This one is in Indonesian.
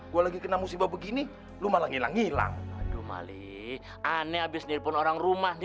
gue lagi kena musibah begini lu malah ngilang ngilang